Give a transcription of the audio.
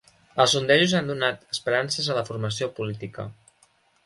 Els sondejos han donat esperances a la formació política